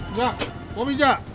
nggak mau pijak